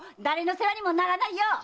誰の世話にもならないよ‼